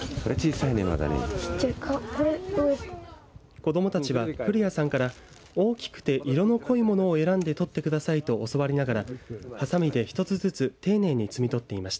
子どもたちは、古屋さんから大きくて色の濃いものを選んで取ってくださいと教わりながらはさみで１つずつ丁寧に摘み取っていました。